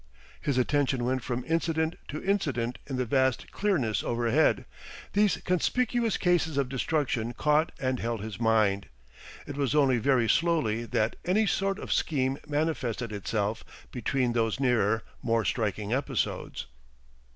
His attention went from incident to incident in the vast clearness overhead; these conspicuous cases of destruction caught and held his mind; it was only very slowly that any sort of scheme manifested itself between those nearer, more striking episodes.